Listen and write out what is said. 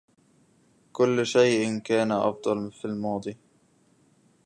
كل شيء كان أفضل في الماضي.